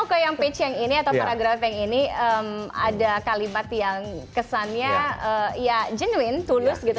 saya mau ke yang page yang ini atau paragraf yang ini ada kalimat yang kesannya ya genuin tulus gitu